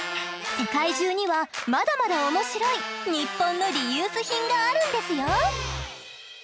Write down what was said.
世界中にはまだまだ面白いニッポンのリユース品があるんですよ。